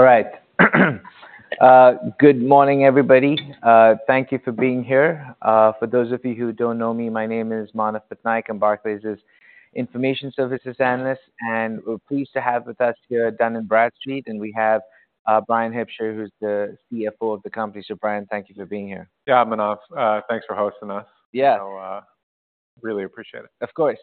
All right. Good morning, everybody. Thank you for being here. For those of you who don't know me, my name is Manav Patnaik. I'm Barclays' Information Services analyst, and we're pleased to have with us here at Dun & Bradstreet, and we have Bryan Hipsher, who's the CFO of the company. So Bryan, thank you for being here. Yeah, Manav, thanks for hosting us. Yeah. Really appreciate it. Of course.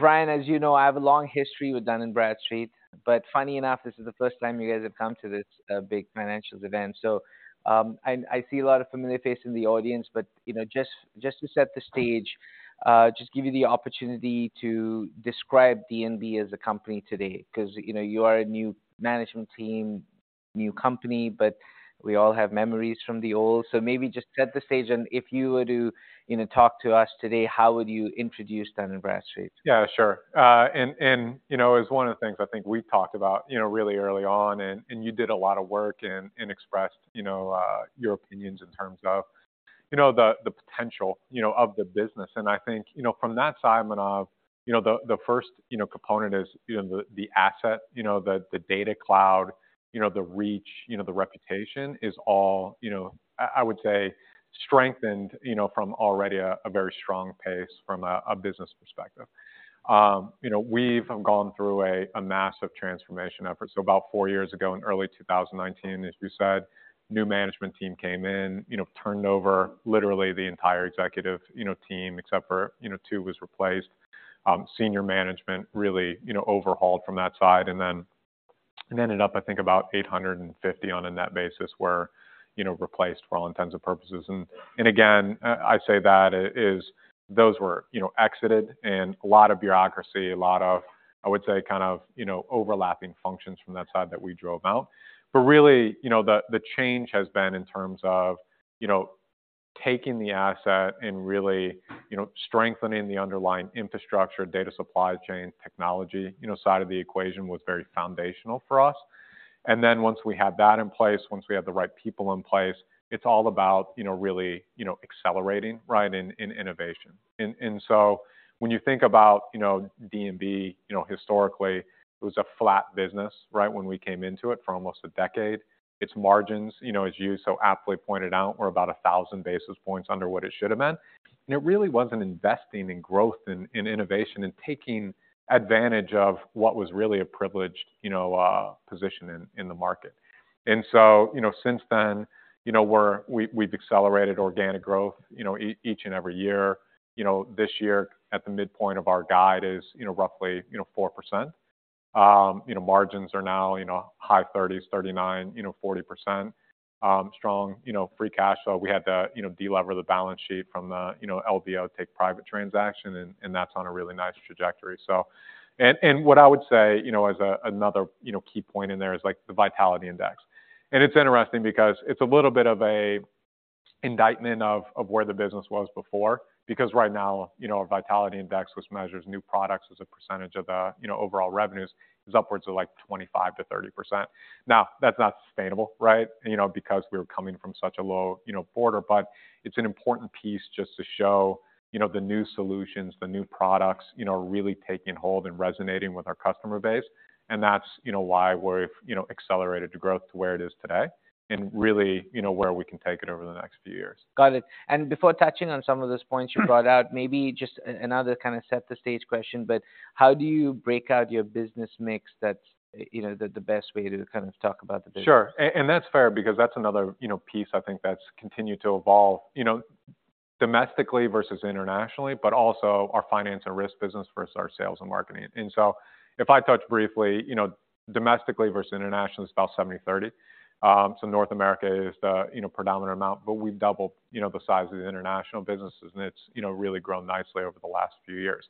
Bryan, as you know, I have a long history with Dun & Bradstreet, but funny enough, this is the 1st time you guys have come to this, big financials event. So, and I see a lot of familiar faces in the audience, but, you know, just to set the stage, just give you the opportunity to describe D&B as a company today, 'cause, you know, you are a new management team, new company, but we all have memories from the old. So maybe just set the stage, and if you were to, you know, talk to us today, how would you introduce Dun & Bradstreet? Sure. It's one of the things I think we talked about, you know, really early on, and you did a lot of work and expressed, you know, your opinions in terms of, you know, the potential, you know, of the business. And I think, you know, from that side, Manav, you know, the first component is, you know, the asset, you know, the Data Cloud, you know, the reach, you know, the reputation is all, you know, I would say, strengthened, you know, from already a very strong pace from a business perspective. You know, we've gone through a massive transformation effort. About 4 years ago, in early 2019, as you said, new management team came in, you know, turned over literally the entire executive, you know, team, except for, you know, 2 was replaced. Senior management really, you know, overhauled from that side, ended up, I think, about 850 on a net basis were, you know, replaced for all intents and purposes. And again, I say that is those were, you know, exited, and a lot of bureaucracy, a lot of, I would say, kind of, you know, overlapping functions from that side that we drove out. But really, you know, the change has been in terms of, you know, taking the asset and really, you know, strengthening the underlying infrastructure, data supply chain, technology, you know, side of the equation was very foundational for us. Then once we had that in place, once we had the right people in place, it's all about, you know, really, you know, accelerating, right, in innovation. And so when you think about, you know, D&B, you know, historically, it was a flat business, right, when we came into it for almost a decade. Its margins, you know, as you so aptly pointed out, were about a thousand basis points under what it should have been. And it really wasn't investing in growth and in innovation and taking advantage of what was really a privileged, you know, position in the market. And so, you know, since then, you know, we've accelerated organic growth, you know, each and every year. You know, this year, at the midpoint of our guide is, you know, roughly, you know, 4%. Margins are now, you know, high 30s, 39, you know, 40%. Strong, you know, free cash flow. We had to, you know, de-lever the balance sheet from the, you know, LBO, take private transaction, and, and that's on a really nice trajectory. So... And, and what I would say, you know, as a, another, you know, key point in there is, like, the Vitality Index. And it's interesting because it's a little bit of a indictment of, of where the business was before, because right now, you know, our Vitality Index, which measures new products as a percentage of the, you know, overall revenues, is upwards of, like, 25%-30%. Now, that's not sustainable, right? You know, because we're coming from such a low, you know, quarter. It's an important piece just to show, you know, the new solutions, the new products, you know, are really taking hold and resonating with our customer base, and that's, you know, why we've, you know, accelerated the growth to where it is today and really, you know, where we can take it over the next few years. Got it. Before touching on some of those points you brought out, maybe just another kind of set the stage question, but how do you break out your business mix that's, you know, the best way to kind of talk about the business? Sure. That's fair because that's another, you know, piece I think that's continued to evolve, you know, domestically versus internationally, but also our Finance and Risk business versus our Sales and Marketing. And so if I touch briefly, you know, domestically versus internationally, it's about 70/30. So North America is the, you know, predominant amount, but we've doubled, you know, the size of the international businesses, and it's, you know, really grown nicely over the last few years.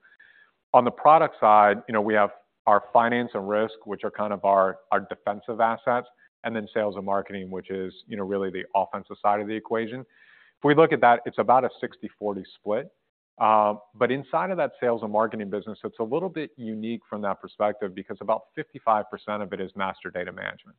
On the product side, you know, we have our Finance and Risk, which are kind of our, our defensive assets, and then Sales and Marketing, which is, you know, really the offensive side of the equation. If we look at that, it's about a 60/40 split. Inside of that Sales and Marketing business, it's a little bit unique from that perspective because about 55% of it is master data management.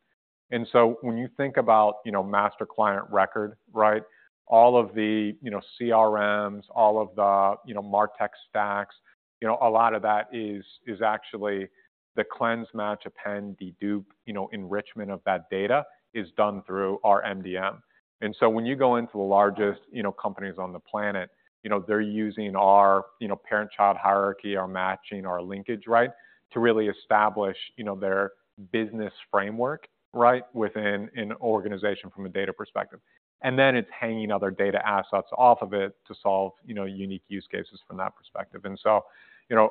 And so when you think about, you know, master client record, right? All of the, you know, CRMs, all of the, you know, MarTech stacks, you know, a lot of that is actually the cleanse, match, append, dedupe, you know, enrichment of that data is done through our MDM. And so when you go into the largest, you know, companies on the planet, you know, they're using our, you know, parent-child hierarchy, our matching, our linkage, right, to really establish, you know, their business framework, right, within an organization from a data perspective. And then it's hanging other data assets off of it to solve, you know, unique use cases from that perspective.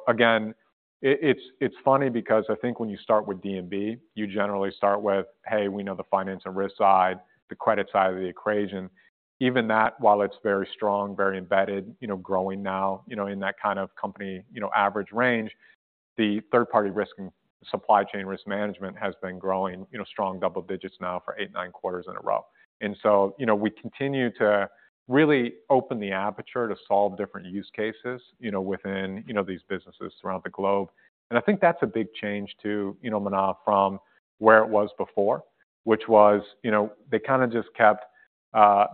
Again, it's funny because I think when you start with D&B, you generally start with, "Hey, we know the Finance and Risk side, the credit side of the equation." Even that, while it's very strong, very embedded, you know, growing now, you know, in that kind of company, you know, average range, the third-party risk and supply chain risk management has been growing, you know, strong double digits now for 8-9 quarters in a row. And so, you know, we continue to really open the aperture to solve different use cases, you know, within, you know, these businesses around the globe. And I think that's a big change to, you know, Manav, from where it was before... which was, you know, they kind of just kept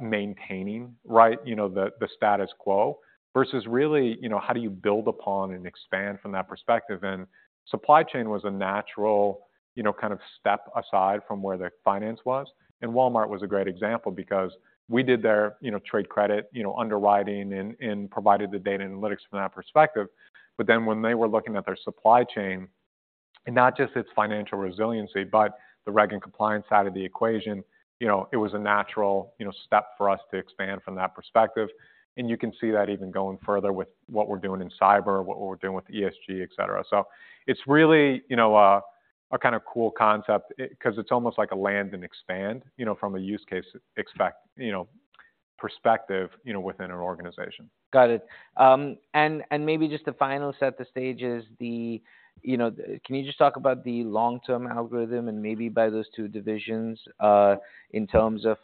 maintaining, right? You know, the status quo versus really, you know, how do you build upon and expand from that perspective? And supply chain was a natural, you know, kind of step aside from where their finance was. And Walmart was a great example because we did their, you know, trade credit, you know, underwriting and provided the data analytics from that perspective. But then when they were looking at their supply chain, and not just its financial resiliency, but the reg and compliance side of the equation, you know, it was a natural, you know, step for us to expand from that perspective. And you can see that even going further with what we're doing in cyber, what we're doing with ESG, et cetera. It's really, you know, a kind of cool concept because it's almost like a land and expand, you know, from a use case perspective, you know, within an organization. Got it. And maybe just to final set the stage is the... You know, can you just talk about the long-term algorithm and maybe by those 2 divisions, in terms of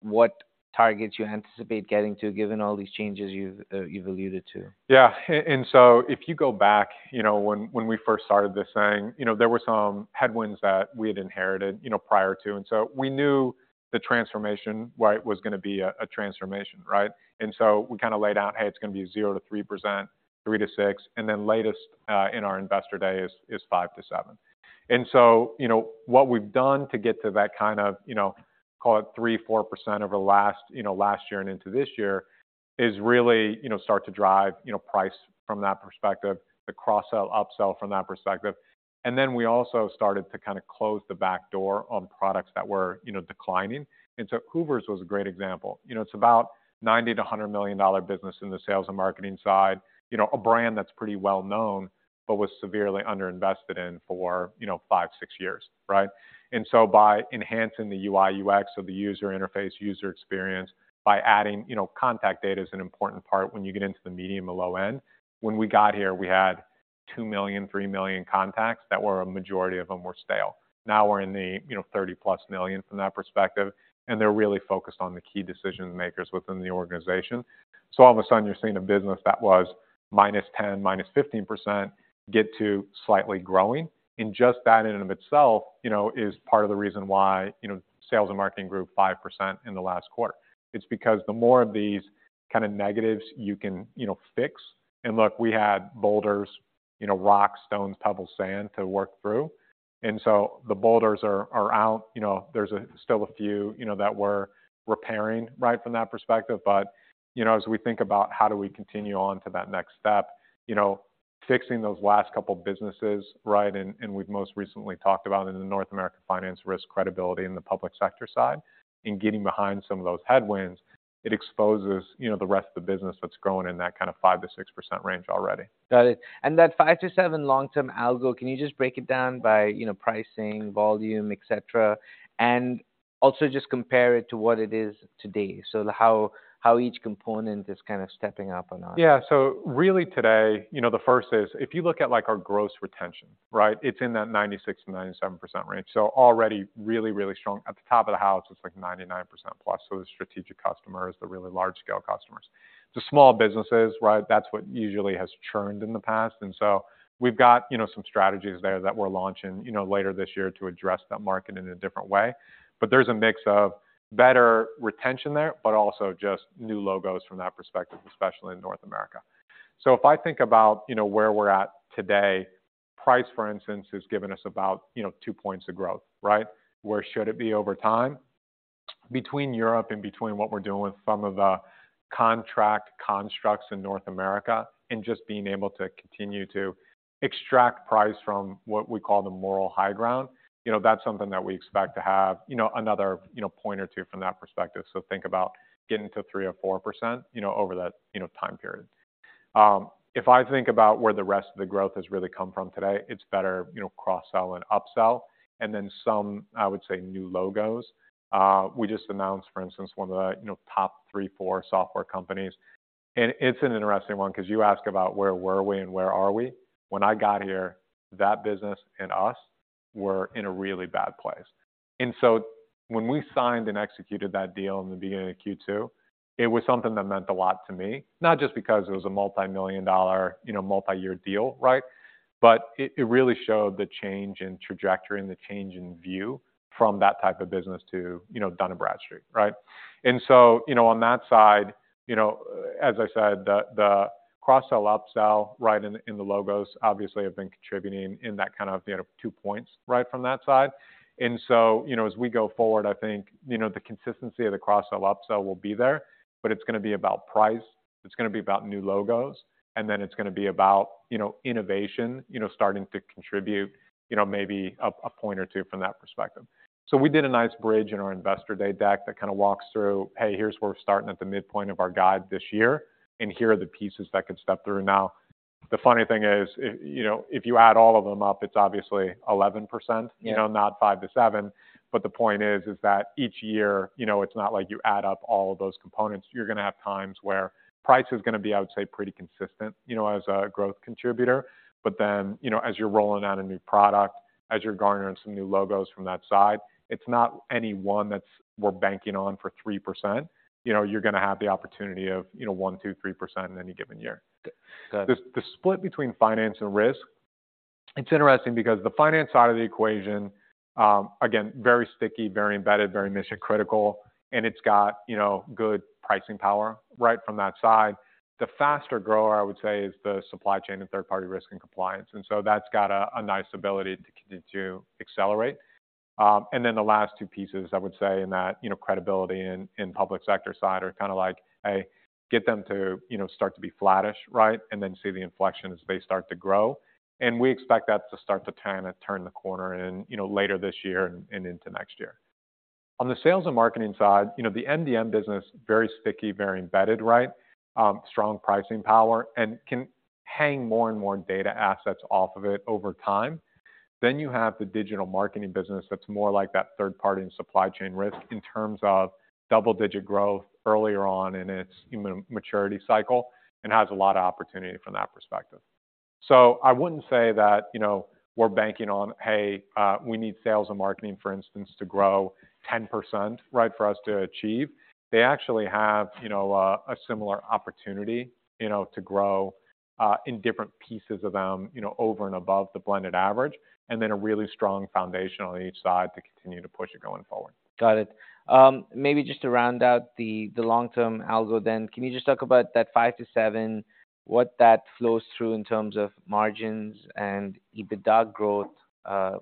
what targets you anticipate getting to, given all these changes you've alluded to? Yeah. And so if you go back, you know, when we first started this thing, you know, there were some headwinds that we had inherited, you know, prior to. And so we knew the transformation, right, was gonna be a transformation, right? And so we kind of laid out, hey, it's gonna be 0%-3%, 3%-6%, and then latest, in our investor day, is 5%-7%. And so, you know, what we've done to get to that kind of, you know, call it 3%-4% over last, you know, last year and into this year, is really, you know, start to drive, you know, price from that perspective, the cross-sell, upsell from that perspective. And then we also started to kind of close the back door on products that were, you know, declining. Hoover's was a great example. You know, it's about $90 million-$100 million business in the Sales and Marketing side, you know, a brand that's pretty well known, but was severely underinvested in for, you know, 5-6 years, right? So by enhancing the UI/UX, so the user interface, user experience, by adding... You know, contact data is an important part when you get into the medium to low end. When we got here, we had 2 million-3 million contacts, that were a majority of them were stale. Now we're in the, you know, 30+ million from that perspective, and they're really focused on the key decision makers within the organization. So all of a sudden, you're seeing a business that was -10% to -15%, get to slightly growing. And just that in and of itself, you know, is part of the reason why, you know, Sales and Marketing grew 5% in the last quarter. It's because the more of these kind of negatives you can, you know, fix. And look, we had boulders, you know, rocks, stones, pebbles, sand to work through, and so the boulders are out. You know, there's still a few, you know, that we're repairing, right, from that perspective, but, you know, as we think about how do we continue on to that next step, you know, fixing those last couple businesses, right, and we've most recently talked about in the North American Finance Risk Credibility in the Public Sector side, and getting behind some of those headwinds, it exposes, you know, the rest of the business that's growing in that kind of 5%-6% range already. Got it. And that 5-7 long-term algo, can you just break it down by, you know, pricing, volume, et cetera, and also just compare it to what it is today? So how each component is kind of stepping up or not? Yeah. So really today, you know, the first is, if you look at, like, our gross retention, right, it's in that 96%-97% range. So already really, really strong. At the top of the house, it's like 99%+, so the strategic customers, the really large-scale customers. The small businesses, right, that's what usually has churned in the past, and so we've got, you know, some strategies there that we're launching, you know, later this year to address that market in a different way. But there's a mix of better retention there, but also just new logos from that perspective, especially in North America. So if I think about, you know, where we're at today, price, for instance, has given us about, you know, 2 points of growth, right? Where should it be over time? Between Europe and between what we're doing with some of the contract constructs in North America, and just being able to continue to extract price from what we call the moral high ground, you know, that's something that we expect to have, you know, another, you know, 1 or 2 from that perspective. So think about getting to 3% or 4%, you know, over that, you know, time period. If I think about where the rest of the growth has really come from today, it's better, you know, cross-sell and upsell, and then some, I would say, new logos. We just announced, for instance, one of the, you know, top 3 or 4 software companies. And it's an interesting one because you ask about where were we and where are we. When I got here, that business and us were in a really bad place. And so when we signed and executed that deal in the beginning of Q2, it was something that meant a lot to me, not just because it was a multimillion-dollar, you know, multi-year deal, right? But it, it really showed the change in trajectory and the change in view from that type of business to, you know, Dun & Bradstreet, right? And so, you know, on that side, you know, as I said, the, the cross-sell, upsell, right, and the logos obviously have been contributing in that kind of, you know, 2 points, right, from that side. And so, you know, as we go forward, I think, you know, the consistency of the cross-sell, upsell will be there, but it's gonna be about price, it's gonna be about new logos, and then it's gonna be about, you know, innovation, you know, starting to contribute, you know, maybe a, a point or 2 from that perspective. So we did a nice bridge in our Investor Day deck that kind of walks through, "Hey, here's where we're starting at the midpoint of our guide this year, and here are the pieces that could step through." Now, the funny thing is, you know, if you add all of them up, it's obviously 11%- Yeah. You know, not 5-7. But the point is, is that each year, you know, it's not like you add up all of those components. You're gonna have times where price is gonna be, I would say, pretty consistent, you know, as a growth contributor. But then, you know, as you're rolling out a new product, as you're garnering some new logos from that side, it's not any one that's we're banking on for 3%. You know, you're gonna have the opportunity of, you know, 1, 2, 3% in any given year. Good. The split between Finance and Risk. It's interesting because the finance side of the equation, again, very sticky, very embedded, very mission-critical, and it's got, you know, good pricing power right from that side. The faster grower, I would say, is the supply chain and third-party risk and compliance, and so that's got a nice ability to continue to accelerate. And then the last 2 pieces, I would say, in that, you know, credibility in the public sector side are kind of like, hey, get them to, you know, start to be flattish, right? And then see the inflection as they start to grow. And we expect that to start to kind of turn the corner in, you know, later this year and into next year. On the Sales and Marketing side, you know, the MDM business, very sticky, very embedded, right? Strong pricing power and can hang more and more data assets off of it over time. Then you have the digital marketing business that's more like that third party and supply chain risk in terms of double-digit growth earlier on in its maturity cycle and has a lot of opportunity from that perspective. So I wouldn't say that, you know, we're banking on, "Hey, we need Sales and Marketing, for instance, to grow 10%, right, for us to achieve." They actually have, you know, a similar opportunity, you know, to grow in different pieces of them, you know, over and above the blended average, and then a really strong foundation on each side to continue to push it going forward. Got it. Maybe just to round out the long-term algo then, can you just talk about that 5-7, what that flows through in terms of margins and EBITDA growth,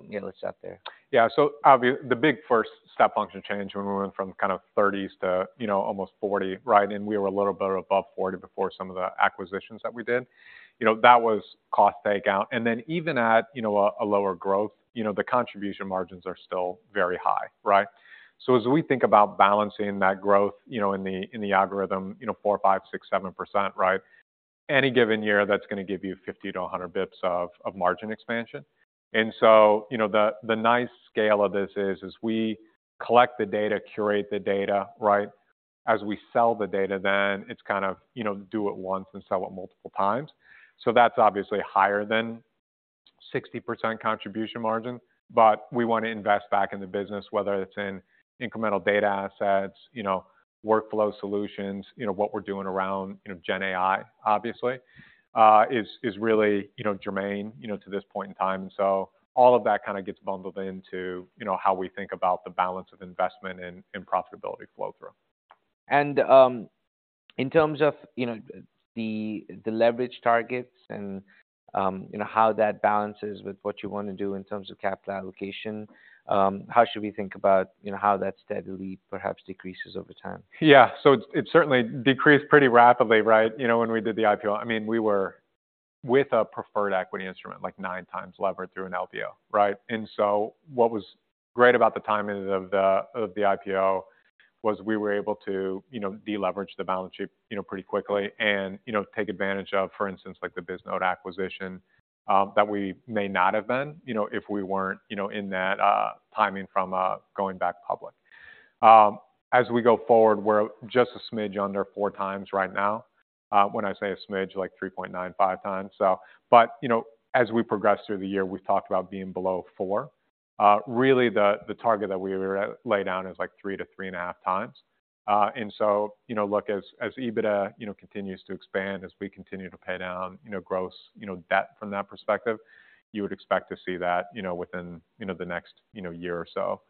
you know, what's out there? Yeah. So obviously the big first step function change when we went from kind of 30s to, you know, almost 40, right? And we were a little bit above 40 before some of the acquisitions that we did. You know, that was cost take out. And then even at, you know, a, a lower growth, you know, the contribution margins are still very high, right? So as we think about balancing that growth, you know, in the, in the algorithm, you know, 4%-7%, right? Any given year, that's gonna give you 50-100 basis points of, of margin expansion. And so, you know, the, the nice scale of this is, as we collect the data, curate the data, right? As we sell the data, then it's kind of, you know, do it once and sell it multiple times. So that's obviously higher than 60% contribution margin, but we want to invest back in the business, whether it's in incremental data assets, you know, workflow solutions, you know, what we're doing around, you know, GenAI, obviously, is really, you know, germane, you know, to this point in time. So all of that kind of gets bundled into, you know, how we think about the balance of investment and profitability flow-through. And in terms of, you know, the leverage targets and, you know, how that balances with what you want to do in terms of capital allocation, how should we think about, you know, how that steadily perhaps decreases over time? Yeah. So it certainly decreased pretty rapidly, right? You know, when we did the IPO. I mean, we were with a preferred equity instrument, like 9x levered through an LBO, right? And so what was great about the timing of the IPO was we were able to, you know, de-leverage the balance sheet, you know, pretty quickly and, you know, take advantage of, for instance, like the Bisnode acquisition, that we may not have been, you know, if we weren't, you know, in that timing from going back public. As we go forward, we're just a smidge under 4x right now. When I say a smidge, like 3.95x. So... But, you know, as we progress through the year, we've talked about being below 4x. Really, the target that we lay down is, like, 3x-3.5x. And so, you know, look, as EBITDA continues to expand, as we continue to pay down, you know, gross debt from that perspective, you would expect to see that, you know, within the next year or so,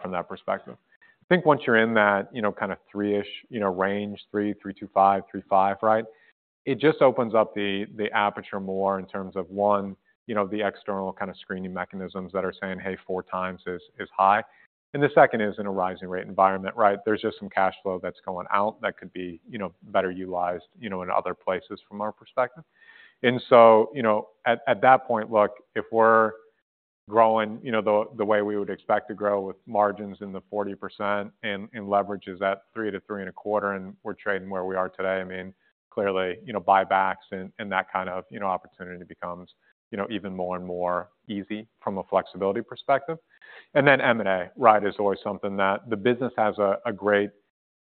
from that perspective. I think once you're in that, you know, kind of 3-ish range, 3, 3-5, 3.5, right? It just opens up the aperture more in terms of, one, you know, the external kind of screening mechanisms that are saying, "Hey, 4x is high." And the second is in a rising rate environment, right? There's just some cash flow that's going out that could be, you know, better utilized, you know, in other places from our perspective. And so, you know, at, at that point, look, if we're growing, you know, the, the way we would expect to grow with margins in the 40% and, and leverage is at 3-3.25, and we're trading where we are today, I mean, clearly, you know, buybacks and, and that kind of, you know, opportunity becomes, you know, even more and more easy from a flexibility perspective. And then M&A, right, is always something that the business has a, a great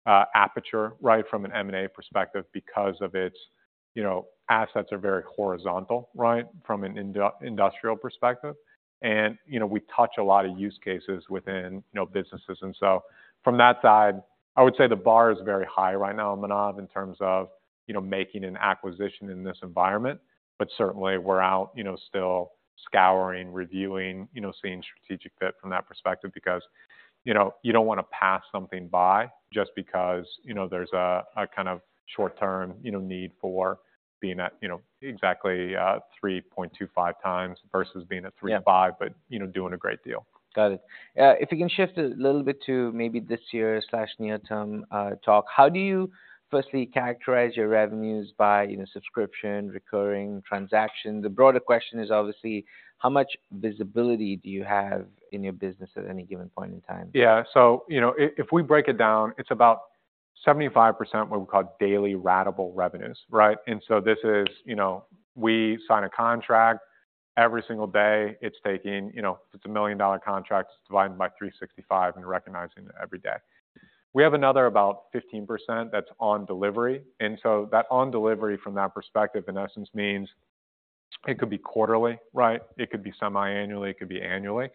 appetite, right, from an M&A perspective because of its... You know, assets are very horizontal, right, from an industrial perspective, and, you know, we touch a lot of use cases within, you know, businesses. And so from that side, I would say the bar is very high right now, Manav, in terms of, you know, making an acquisition in this environment, but certainly we're out, you know, still scouring, reviewing, you know, seeing strategic fit from that perspective. Because, you know, you don't want to pass something by just because, you know, there's a, a kind of short-term, you know, need for being at, you know, exactly 3.25x versus being at 3.5- Yeah but, you know, doing a great deal. Got it. If you can shift a little bit to maybe this year, near-term, talk, how do you firstly characterize your revenues by, you know, subscription, recurring transactions? The broader question is, obviously, how much visibility do you have in your business at any given point in time? Yeah. So, you know, if we break it down, it's about 75% what we call daily ratable revenues, right? And so this is, you know, we sign a contract every single day. It's taking, you know, if it's a $1 million contract, it's divided by 365 and recognizing it every day. We have another about 15% that's on delivery, and so that on delivery, from that perspective, in essence means... It could be quarterly, right? It could be semi-annually, it could be annually.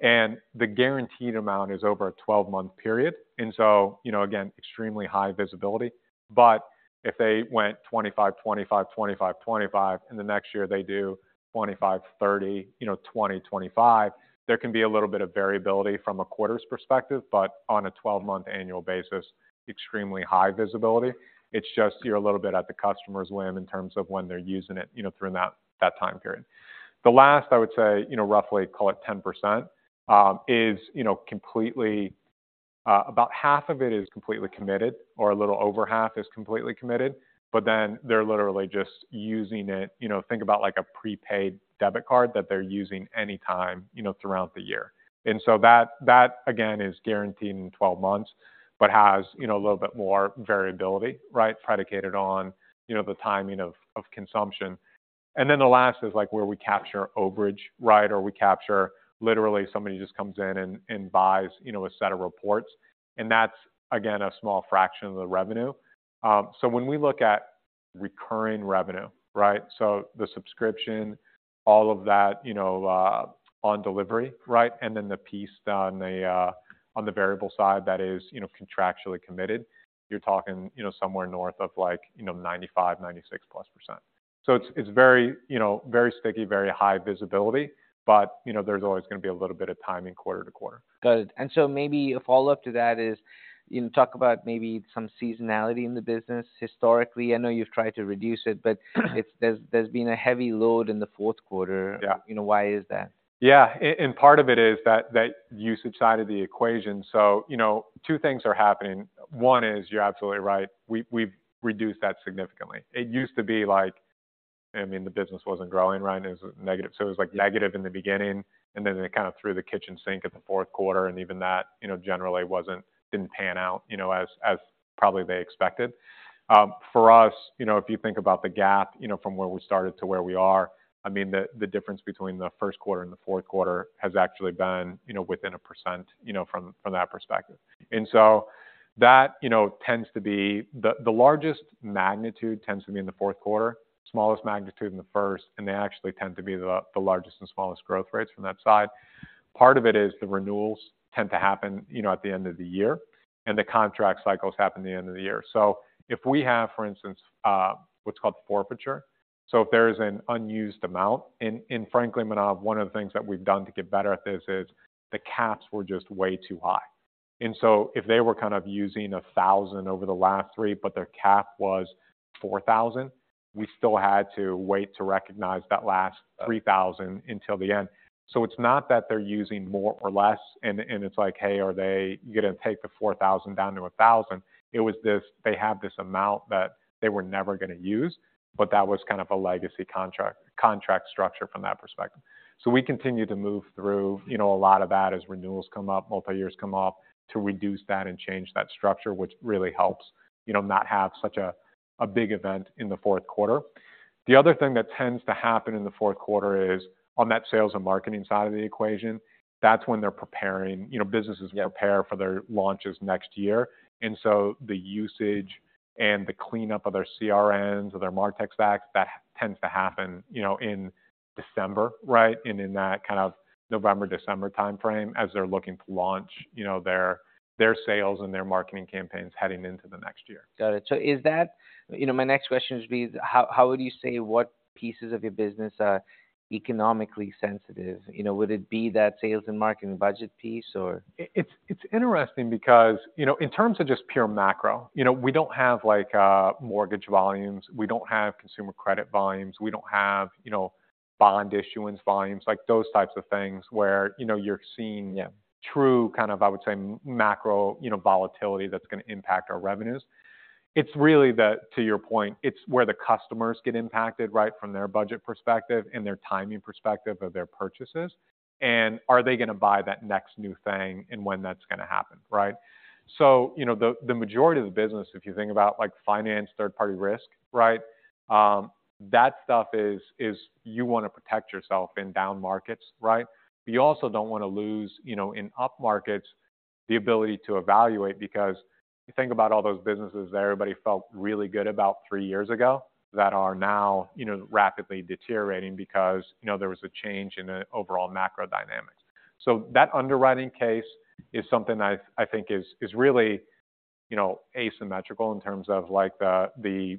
And the guaranteed amount is over a 12-month period, and so, you know, again, extremely high visibility. But if they went 25, 25, 25, 25, and the next year they do 25, 30, you know, 20, 25, there can be a little bit of variability from a quarters perspective, but on a 12-month annual basis, extremely high visibility. It's just you're a little bit at the customer's whim in terms of when they're using it, you know, through that, that time period. The last, I would say, you know, roughly call it 10%, is, you know, completely, about half of it is completely committed, or a little over half is completely committed, but then they're literally just using it, you know, think about like a prepaid debit card that they're using any time, you know, throughout the year. And so that, that again, is guaranteed in 12 months, but has, you know, a little bit more variability, right? Predicated on, you know, the timing of, of consumption. And then the last is like where we capture overage, right? Or we capture literally somebody just comes in and, and buys, you know, a set of reports, and that's, again, a small fraction of the revenue. So when we look at recurring revenue, right? So the subscription, all of that, you know, on delivery, right? And then the piece on the, on the variable side, that is, you know, contractually committed. You're talking, you know, somewhere north of like, you know, 95-96%+. So it's, it's very, you know, very sticky, very high visibility, but, you know, there's always gonna be a little bit of timing quarter to quarter. Got it. So maybe a follow-up to that is, you talk about maybe some seasonality in the business historically. I know you've tried to reduce it, but there's, there's been a heavy load in the Q4. Yeah. You know, why is that? Yeah, and part of it is that, that usage side of the equation. So, you know, 2 things are happening. One is, you're absolutely right, we've, we've reduced that significantly. It used to be like, I mean, the business wasn't growing, right? It was negative. So it was like negative in the beginning, and then they kind of threw the kitchen sink at the Q4, and even that, you know, generally wasn't, didn't pan out, you know, as, as probably they expected. For us, you know, if you think about the gap, you know, from where we started to where we are, I mean, the, the difference between the Q1 and the Q4 has actually been, you know, within 1%, you know, from, from that perspective. And so that, you know, tends to be... The largest magnitude tends to be in the Q4, smallest magnitude in the first, and they actually tend to be the largest and smallest growth rates from that side. Part of it is the renewals tend to happen, you know, at the end of the year, and the contract cycles happen at the end of the year. So if we have, for instance, what's called forfeiture, so if there is an unused amount, and frankly, Manav, one of the things that we've done to get better at this is the caps were just way too high. And so if they were kind of using 1,000 over the last 3, but their cap was 4,000, we still had to wait to recognize that last 3,000 until the end. So it's not that they're using more or less, and, and it's like, hey, are they gonna take the 4,000 down to a 1,000? It was this, they have this amount that they were never gonna use, but that was kind of a legacy contract, contract structure from that perspective. So we continue to move through, you know, a lot of that as renewals come up, multi-years come up, to reduce that and change that structure, which really helps, you know, not have such a, a big event in the Q4. The other thing that tends to happen in the Q4 is, on that Sales and Marketing side of the equation, that's when they're preparing... You know, businesses- Yeah. prepare for their launches next year, and so the usage and the cleanup of their CRMs or their MarTech stacks, that tends to happen, you know, in December, right? And in that kind of November, December time frame, as they're looking to launch, you know, their, their sales and their marketing campaigns heading into the next year. Got it. So is that? You know, my next question should be: How would you say what pieces of your business are economically sensitive? You know, would it be that Sales and Marketing budget piece or? It's interesting because, you know, in terms of just pure macro, you know, we don't have like, mortgage volumes, we don't have consumer credit volumes, we don't have, you know, bond issuance volumes, like those types of things where, you know, you're seeing- Yeah... true, kind of, I would say, macro, you know, volatility that's gonna impact our revenues. It's really the, to your point, it's where the customers get impacted, right? From their budget perspective and their timing perspective of their purchases, and are they gonna buy that next new thing, and when that's gonna happen, right? So, you know, the majority of the business, if you think about like finance, third-party risk, right? That stuff is you want to protect yourself in down markets, right? But you also don't want to lose, you know, in up markets, the ability to evaluate, because you think about all those businesses that everybody felt really good about 3 years ago, that are now, you know, rapidly deteriorating because, you know, there was a change in the overall macro dynamics. So that underwriting case is something that I think is really, you know, asymmetrical in terms of like the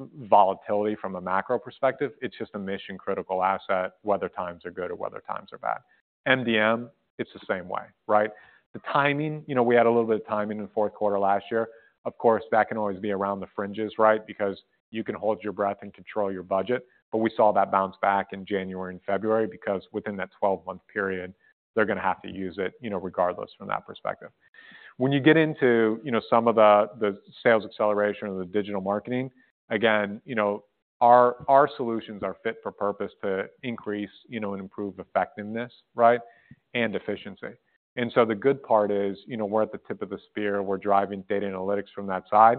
volatility from a macro perspective. It's just a mission-critical asset, whether times are good or whether times are bad. MDM, it's the same way, right? The timing, you know, we had a little bit of timing in the Q4 last year. Of course, that can always be around the fringes, right? Because you can hold your breath and control your budget, but we saw that bounce back in January and February, because within that 12-month period, they're gonna have to use it, you know, regardless from that perspective. When you get into, you know, some of the sales acceleration or the digital marketing, again, you know, our solutions are fit for purpose to increase, you know, and improve effectiveness, right? And efficiency. And so the good part is, you know, we're at the tip of the spear, we're driving data analytics from that side.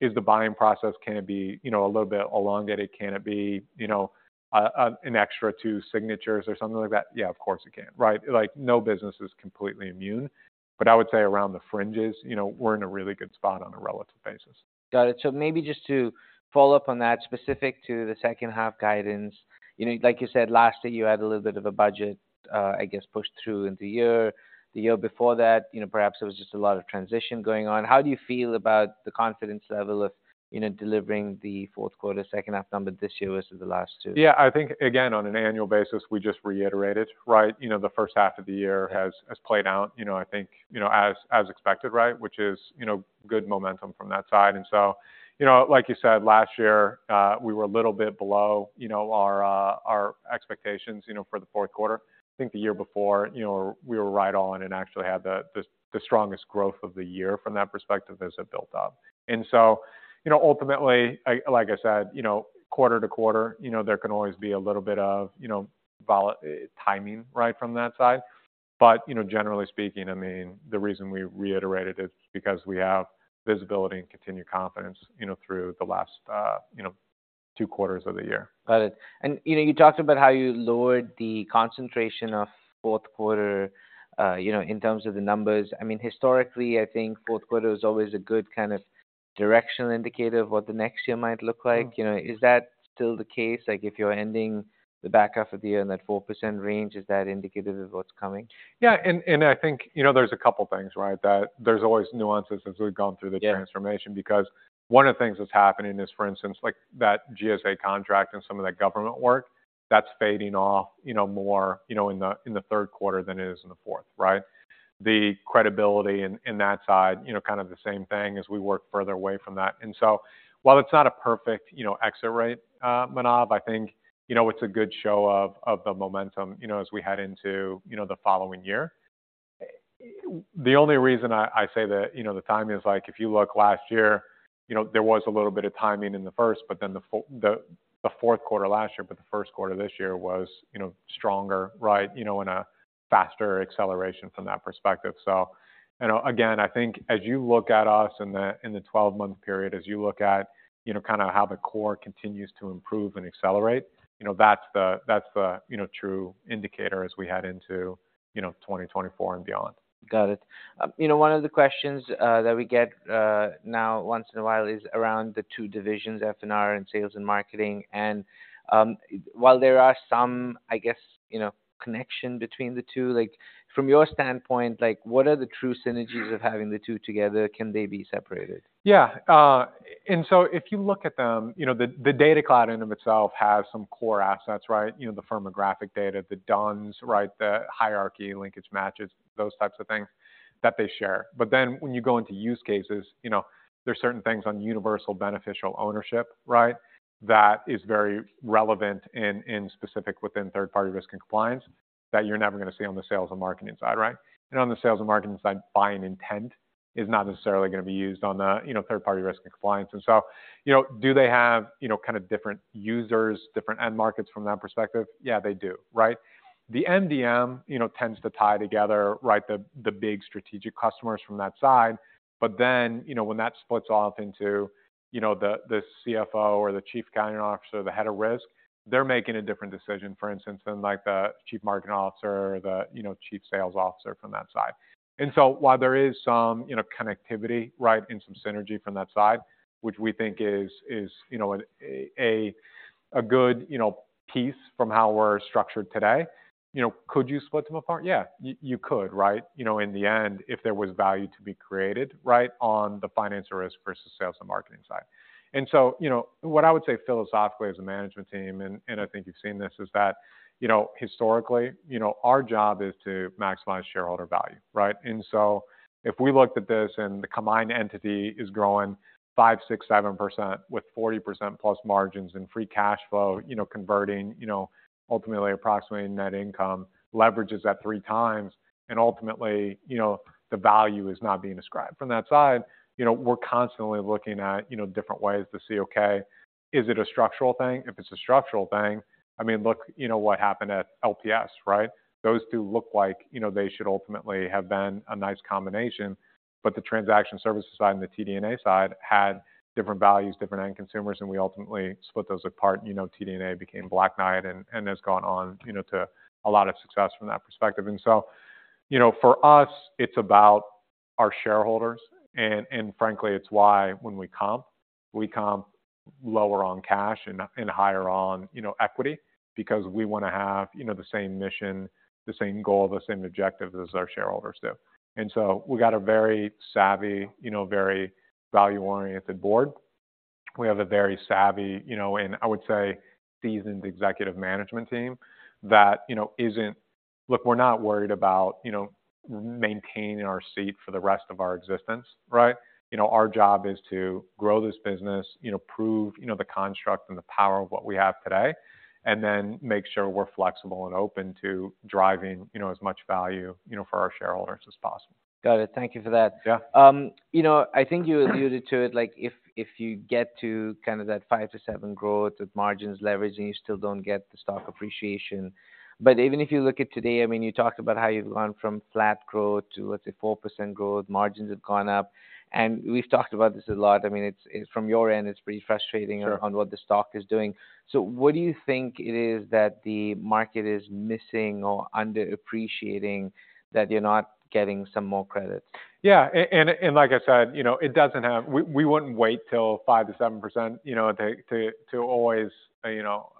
Is the buying process, can it be, you know, a little bit elongated? Can it be, you know, an extra 2 signatures or something like that? Yeah, of course, it can, right? Like, no business is completely immune, but I would say around the fringes, you know, we're in a really good spot on a relative basis. Got it. So maybe just to follow up on that, specific to the H2 guidance, you know, like you said, last year, you had a little bit of a budget, I guess, pushed through in the year. The year before that, you know, perhaps there was just a lot of transition going on. How do you feel about the confidence level of, you know, delivering the Q4, H2 numbers this year versus the last 2? Yeah, I think, again, on an annual basis, we just reiterated, right? You know, the H1 of the year has played out, you know, I think, you know, as expected, right? Which is, you know, good momentum from that side, and so... You know, like you said, last year, we were a little bit below, you know, our expectations, you know, for the Q4. I think the year before, you know, we were right on and actually had the strongest growth of the year from that perspective as it built up. And so, you know, ultimately, I like I said, you know, quarter to quarter, you know, there can always be a little bit of, you know, volatility, timing, right, from that side. You know, generally speaking, I mean, the reason we reiterated it is because we have visibility and continued confidence, you know, through the last 2 quarters of the year. Got it. And, you know, you talked about how you lowered the concentration of Q4, you know, in terms of the numbers. I mean, historically, I think Q4 is always a good kind of directional indicator of what the next year might look like. Mm. You know, is that still the case? Like, if you're ending the back half of the year in that 4% range, is that indicative of what's coming? Yeah, and I think, you know, there's a couple things, right? That there's always nuances as we've gone through- Yeah... the transformation, because one of the things that's happening is, for instance, like that GSA contract and some of that government work, that's fading off, you know, more, you know, in the Q3 than it is in the 4th, right? The credibility in that side, you know, kind of the same thing as we work further away from that. And so while it's not a perfect, you know, exit rate, Manav, I think, you know, it's a good show of the momentum, you know, as we head into the following year. The only reason I, I say that, you know, the timing is like, if you look last year, you know, there was a little bit of timing in the first, but then the Q4 last year, but the Q1 this year was, you know, stronger, right, you know, in a faster acceleration from that perspective. So, and again, I think as you look at us in the, in the 12-month period, as you look at, you know, kind of how the core continues to improve and accelerate, you know, that's the, that's the, you know, true indicator as we head into, you know, 2024 and beyond. Got it. You know, one of the questions that we get now once in a while is around the 2 divisions, F&R and Sales and Marketing. While there are some, I guess, you know, connection between the two, like from your standpoint, like what are the true synergies of having the 2 together? Can they be separated? Yeah. And so if you look at them, you know, the Data Cloud in and of itself has some core assets, right? You know, the firmographic data, the DUNS, right, the hierarchy, linkage matches, those types of things that they share. But then when you go into use cases, you know, there are certain things on universal beneficial ownership, right, that is very relevant in specific within third-party risk and compliance, that you're never gonna see on the Sales and Marketing side, right? And on the Sales and Marketing side, buying intent is not necessarily gonna be used on the, you know, third-party risk and compliance. And so, you know, do they have, you know, kind of different users, different end markets from that perspective? Yeah, they do. Right? The MDM, you know, tends to tie together, right, the big strategic customers from that side. But then, you know, when that splits off into, you know, the CFO or the Chief Accounting Officer or the Head of Risk, they're making a different decision, for instance, than like the Chief Marketing Officer or the, you know, Chief Sales Officer from that side. And so while there is some, you know, connectivity, right, and some synergy from that side, which we think is, you know, a good, you know, piece from how we're structured today, you know, could you split them apart? Yeah, you could, right? You know, in the end, if there was value to be created, right, on the financial risk versus Sales and Marketing side. So, you know, what I would say philosophically as a management team, and, and I think you've seen this, is that, you know, historically, you know, our job is to maximize shareholder value, right? And so if we looked at this and the combined entity is growing 5, 6, 7%, with 40%+ margins and free cash flow, you know, converting, you know, ultimately approximating net income leverages that 3x, and ultimately, you know, the value is not being ascribed. From that side, you know, we're constantly looking at, you know, different ways to see, okay, is it a structural thing? If it's a structural thing, I mean, look, you know, what happened at LPS, right? Those two look like, you know, they should ultimately have been a nice combination, but the transaction services side and the TD&A side had different values, different end consumers, and we ultimately split those apart. You know, TD&A became Black Knight and, and has gone on, you know, to a lot of success from that perspective. And so, you know, for us, it's about our shareholders, and, and frankly, it's why when we comp, we comp lower on cash and, and higher on, you know, equity because we wanna have, you know, the same mission, the same goal, the same objectives as our shareholders do. And so we got a very savvy, you know, very value-oriented board. We have a very savvy, you know, and I would say, seasoned executive management team that, you know, isn't... Look, we're not worried about, you know, maintaining our seat for the rest of our existence, right? You know, our job is to grow this business, you know, prove, you know, the construct and the power of what we have today, and then make sure we're flexible and open to driving, you know, as much value, you know, for our shareholders as possible. Got it. Thank you for that. Yeah. You know, I think you alluded to it, like if you get to kind of that 5-7 growth with margins leveraging, you still don't get the stock appreciation. But even if you look at today, I mean, you talked about how you've gone from flat growth to, let's say, 4% growth, margins have gone up, and we've talked about this a lot. I mean, it's from your end, it's pretty frustrating- Sure... on what the stock is doing. So what do you think it is that the market is missing or underappreciating that you're not getting some more credit? Yeah. And like I said, you know, it doesn't have—we wouldn't wait till 5%-7%, you know, to always, you know,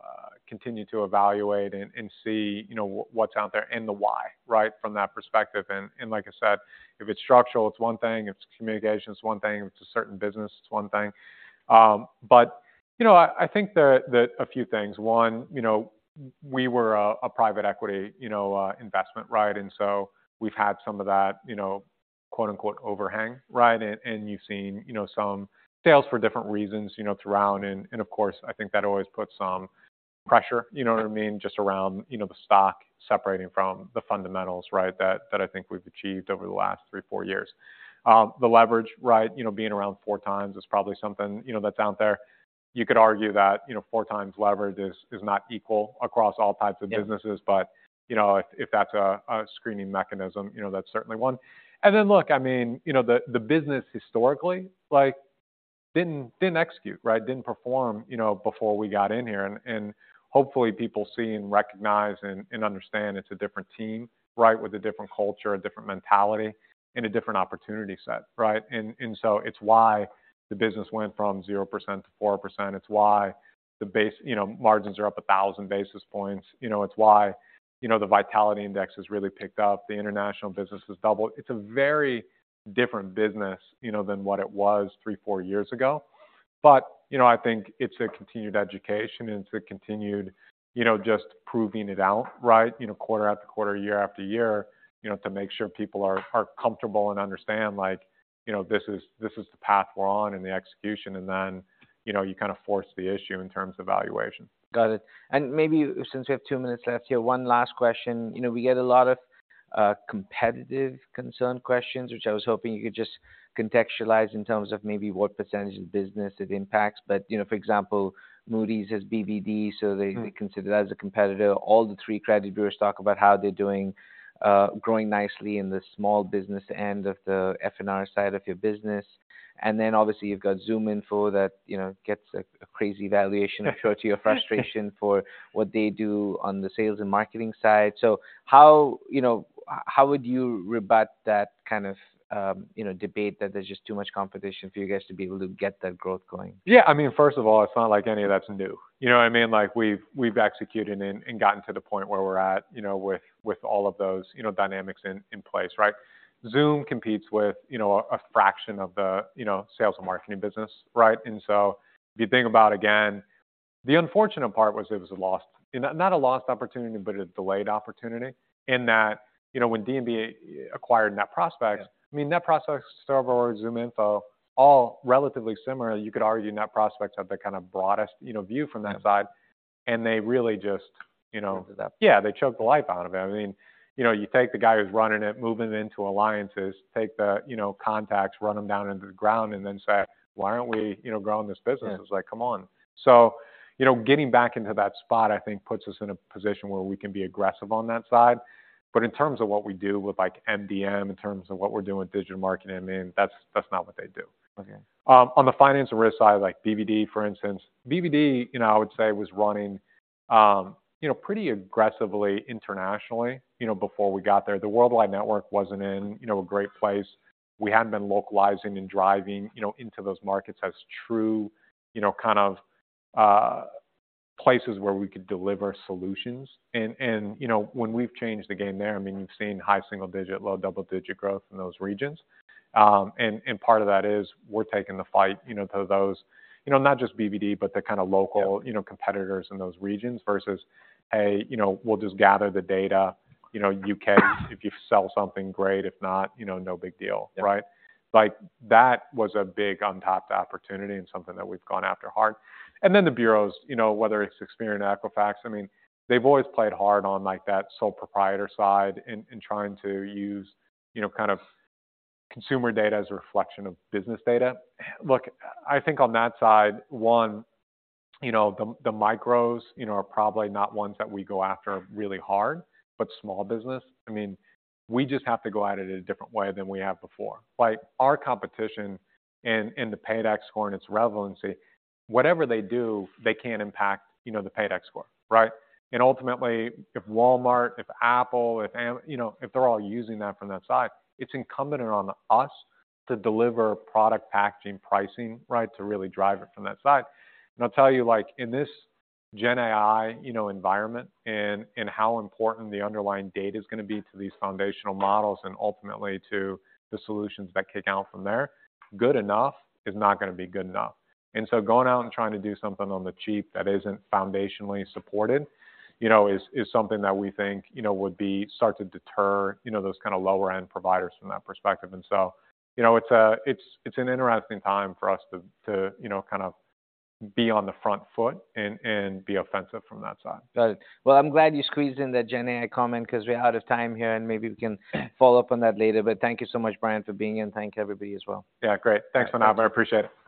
continue to evaluate and see, you know, what's out there and the why, right? From that perspective. And like I said, if it's structural, it's one thing, if it's communication, it's one thing, if it's a certain business, it's one thing. But you know, I think that a few things. One, you know, we were a private equity investment, right? And so we've had some of that, you know, quote, unquote, "overhang," right? And you've seen, you know, some sales for different reasons, you know, throughout. And of course, I think that always puts some pressure, you know what I mean? Just around, you know, the stock separating from the fundamentals, right? That, that I think we've achieved over the last 3, 4 years. The leverage, right, you know, being around 4x is probably something, you know, that's out there. You could argue that, you know, 4x leverage is, is not equal across all types of businesses- Yeah. But, you know, if that's a screening mechanism, you know, that's certainly one. And then, look, I mean, you know, the business historically, like, didn't execute, right? Didn't perform, you know, before we got in here. And hopefully, people see and recognize and understand it's a different team, right? With a different culture, a different mentality, and a different opportunity set, right? And so it's why the business went from 0% to 4%. It's why the base—you know, margins are up 1,000 basis points. You know, it's why, you know, the Vitality Index has really picked up. The international business has doubled. It's a very different business, you know, than what it was 3-4 years ago. But, you know, I think it's a continued education, and it's a continued, you know, just proving it out, right, you know, quarter after quarter, year after year, you know, to make sure people are comfortable and understand, like, you know, this is, this is the path we're on and the execution, and then, you know, you kind of force the issue in terms of valuation. Got it. And maybe since we have 2 minutes left here, 1 last question. You know, we get a lot of competitive concern questions, which I was hoping you could just contextualize in terms of maybe what percentage of the business it impacts. But, you know, for example, Moody's has BvD, so they- Mm-hmm... they consider that as a competitor. All the 3 credit bureaus talk about how they're doing, growing nicely in the small business end of the F&R side of your business. And then obviously, you've got ZoomInfo that, you know, gets a crazy valuation, I'm sure to your frustration—for what they do on the Sales and Marketing side. So how, you know, how would you rebut that kind of, you know, debate that there's just too much competition for you guys to be able to get that growth going? Yeah, I mean, first of all, it's not like any of that's new. You know what I mean? Like, we've executed and gotten to the point where we're at, you know, with all of those, you know, dynamics in place, right? Zoom competes with, you know, a fraction of the, you know, Sales and Marketing business, right? And so if you think about, again, the unfortunate part was it was a lost... You know, not a lost opportunity, but a delayed opportunity, in that, you know, when D&B acquired NetProspex- Yeah I mean, NetProspex, Server or ZoomInfo, all relatively similar. You could argue NetProspex have the kind of broadest, you know, view from that side, and they really just, you know- Did that. Yeah, they choked the life out of it. I mean, you know, you take the guy who's running it, move him into alliances, take the, you know, contacts, run them down into the ground, and then say: Why aren't we, you know, growing this business? Yeah. It's like, come on. So, you know, getting back into that spot, I think, puts us in a position where we can be aggressive on that side. But in terms of what we do with, like, MDM, in terms of what we're doing with digital marketing, I mean, that's, that's not what they do. Okay. On the financial risk side, like BvD, for instance, BvD, you know, I would say, was running, you know, pretty aggressively internationally, you know, before we got there. The worldwide network wasn't in, you know, a great place. We hadn't been localizing and driving, you know, into those markets as true, you know, kind of, places where we could deliver solutions. And, you know, when we've changed the game there, I mean, you've seen high single digit, low double-digit growth in those regions. And part of that is we're taking the fight, you know, to those, you know, not just BvD, but the kind of local- Yeah you know, competitors in those regions, versus a, you know, we'll just gather the data, you know, U.K., if you sell something great, if not, you know, no big deal. Yeah. Right? Like, that was a big untapped opportunity and something that we've gone after hard. And then the bureaus, you know, whether it's Experian, Equifax, I mean, they've always played hard on, like, that sole proprietor side in, in trying to use, you know, kind of consumer data as a reflection of business data. Look, I think on that side, 1, you know, the, the micros, you know, are probably not ones that we go after really hard, but small business, I mean, we just have to go at it a different way than we have before. Like, our competition in, in the PAYDEX score and its relevancy, whatever they do, they can't impact, you know, the PAYDEX score, right? And ultimately, if Walmart, if Apple, you know, if they're all using that from that side, it's incumbent on us to deliver product packaging, pricing, right, to really drive it from that side. And I'll tell you, like, in this Gen AI, you know, environment and, and how important the underlying data is gonna be to these foundational models and ultimately to the solutions that kick out from there, good enough is not gonna be good enough. And so going out and trying to do something on the cheap that isn't foundationally supported, you know, is, is something that we think, you know, would be start to deter, you know, those kind of lower-end providers from that perspective. And so, you know, it's an interesting time for us to, you know, kind of be on the front foot and be offensive from that side. Got it. Well, I'm glad you squeezed in that Gen AI comment, 'cause we're out of time here, and maybe we can follow up on that later. Thank you so much, Bryan, for being in. Thank you, everybody, as well. Yeah, great. Thanks a lot. I appreciate it.